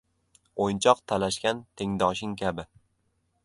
O‘yinchoq talashgan tengdoshing kabi.